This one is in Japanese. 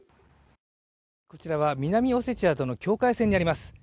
こちらは南オセチアとの境界線にあります。